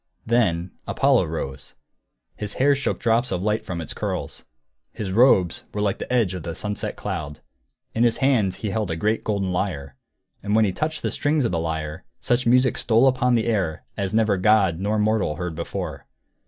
Then Apollo rose. His hair shook drops of light from its curls; his robes were like the edge of the sunset cloud; in his hands he held a golden lyre. And when he touched the strings of the lyre, such music stole upon the air as never god nor mortal heard before.